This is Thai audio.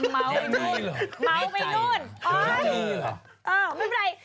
ไม่เป็นไร